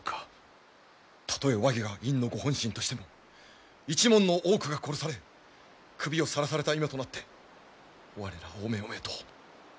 たとえ和議が院のご本心としても一門の多くが殺され首をさらされた今となって我らおめおめと。